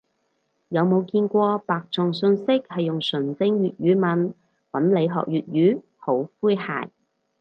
有冇見過白撞訊息係用純正粵語問，搵你學粵語？好詼諧